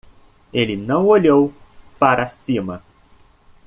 Ele não olhou para cima.